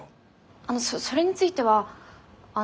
あのそれについてはあの。